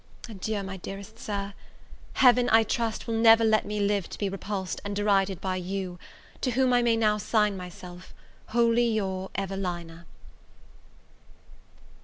Adieu, my dearest Sir! Heaven, I trust, will never let me live to be repulsed, and derided by you, to whom I may now sign myself, wholly your EVELINA.